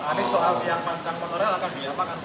pak anies soal biang panjang monorail akan diapakan pak